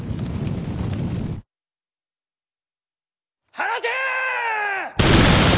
放て！